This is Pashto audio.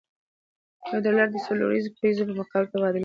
یو ډالر د څلورو پیزو په مقابل کې تبادله کېده.